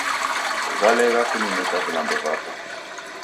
Walegha kunineka vilambo vapo